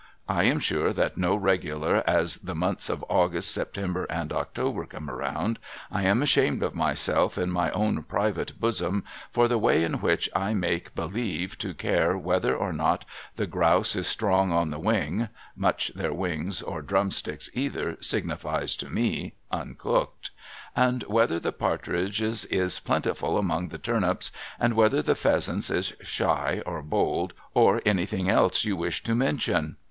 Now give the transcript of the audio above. I am sure that so regular as the months of August, September, and October come round, I am ashamed of myself in my own private bosom for the way in which I make believe to care whether or not the grouse is strong on the wing (much their wings, or drumsticks either, signifies to me, uncooked !), and whether the partridges is plentiful among the turnips, and whether the pheasants is shy or bold, or anything else you please to mention.